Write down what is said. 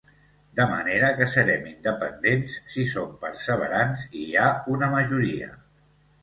De manera que serem independents si som perseverants i hi ha una majoria.